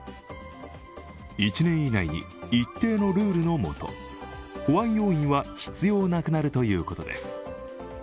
１年以内に、一定のルールのもと保安要員は必要なくなるということです。